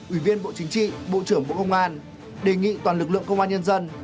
ủy viên bộ chính trị bộ trưởng bộ công an đề nghị toàn lực lượng công an nhân dân